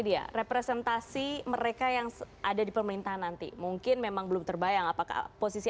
dia representasi mereka yang ada di pemerintahan nanti mungkin memang belum terbayang apakah posisi